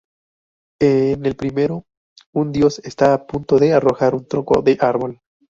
En el primero, un dios está a punto de arrojar un tronco de árbol.